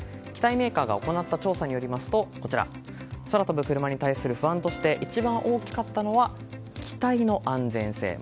機体メーカーが行った調査によりますと空飛ぶクルマに対する不安として一番大きかったのが機体の安全性。